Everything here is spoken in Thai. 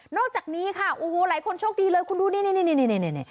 อกจากนี้ค่ะโอ้โหหลายคนโชคดีเลยคุณดูนี่